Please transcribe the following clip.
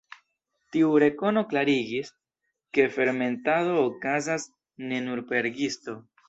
Tiu rekono klarigis, ke fermentado okazas ne nur per gisto.